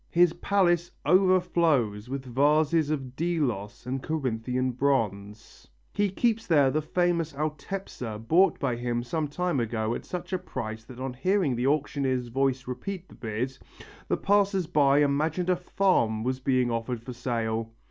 His palace overflows with vases of Delos and Corinthian bronze. He keeps there the famous authepsa bought by him some time ago at such a price that on hearing the auctioneer's voice repeat the bid, the passers by imagined a farm was being offered for sale.